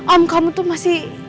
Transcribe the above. om kamu tuh masih